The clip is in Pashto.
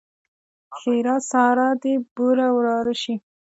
ښېرا؛ سار دې بوره وراره شي!